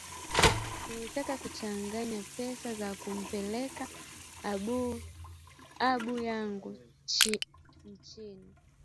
nilitaka kuchanga pesa za kumpeleka abu yangu nchini